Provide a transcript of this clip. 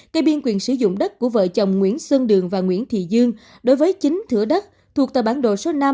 cây biên quyền sử dụng đất của vợ chồng nguyễn xuân đường và nguyễn thị dương đối với chín thửa đất thuộc tờ bản đồ số năm